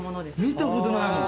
見たことないもん。